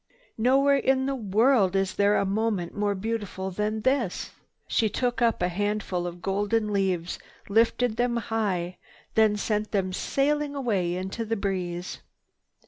Nowhere in the world is there a moment more beautiful than this!" She took up a handful of golden leaves, lifted them high, then sent them sailing away into the breeze.